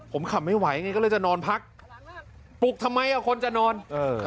ผมขับไม่ไหวไงก็เลยจะนอนพักปลุกทำไมอ่ะคนจะนอนเออ